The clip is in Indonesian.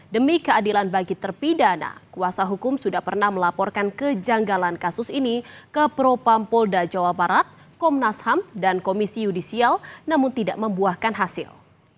demi keadilan bagi terpidana kuasa hukum sudah pernah melaporkan kejanggalan kasus ini ke propam polda jawa barat komnas ham dan komisi yudisial namun tidak membuahkan hasil